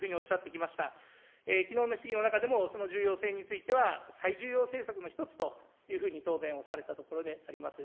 きのうの質疑の中でも、その重要性については、最重要政策の一つというように答弁をされたところであります。